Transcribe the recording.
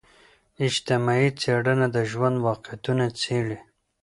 اجتماعي څېړنه د ژوند واقعتونه څیړي.